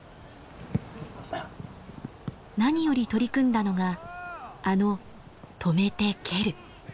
何より取り組んだのがあの「止めて蹴る」。